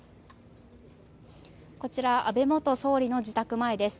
こちら安倍元総理の自宅前です。